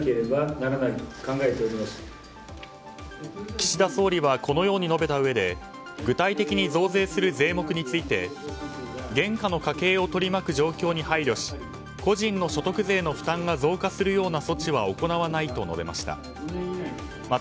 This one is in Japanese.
岸田総理はこのように述べたうえで具体的に増税する税目について現下の家計を取り巻く状況に配慮し個人の所得税の負担が増加するような措置は行わないと述べました。